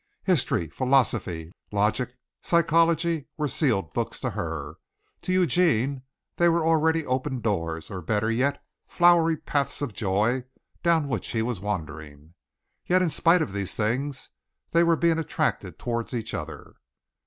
History, philosophy, logic, psychology, were sealed books to her. To Eugene they were already open doors, or, better yet, flowery paths of joy, down which he was wandering. Yet in spite of these things they were being attracted toward each other.